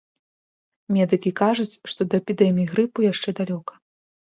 Медыкі кажуць, што да эпідэміі грыпу яшчэ далёка.